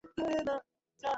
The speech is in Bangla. কোথায় এই গোরস্থানটা?